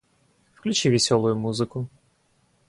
Включи весёлую музыку